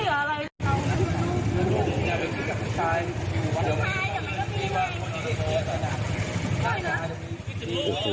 โดนผู้หญิงจะไปกับผู้ชาย